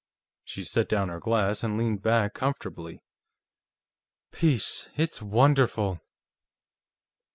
She set down her glass and leaned back comfortably. "Peace, it's wonderful!"